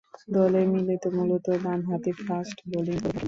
দলে তিনি মূলতঃ বামহাতি ফাস্ট বোলিং করে থাকেন।